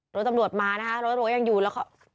รถตำรวจมานะคะรถรั้วยังอยู่แล้วก็